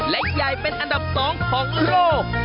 และใหญ่เป็นอันดับ๒ของโลก